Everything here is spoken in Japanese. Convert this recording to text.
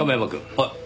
はい？